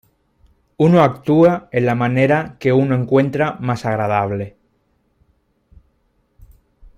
Uno actúa en la manera que uno encuentra más agradable.